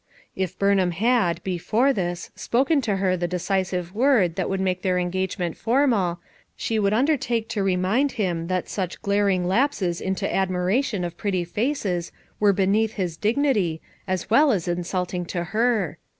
If Burnham had, before this, spoken to her the decisive word that would make their engagement formal she would un dertake to remind him that such glaring lapses into admiration of pretty faces were beneath his dignity, as well as insulting to her.